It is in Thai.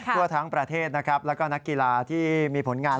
ทั่วทั้งประเทศนะครับแล้วก็นักกีฬาที่มีผลงาน